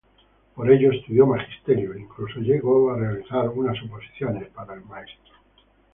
Por ello, estudió Magisterio, e incluso llegó a realizar unas oposiciones para maestro.